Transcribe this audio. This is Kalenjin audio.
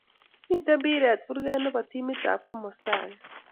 Mito mpiret kurke ne bo timit ab komosta age.